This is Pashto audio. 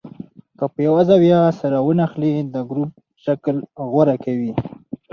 که په یوه زاویه سره ونښلي د ګروپ شکل غوره کوي.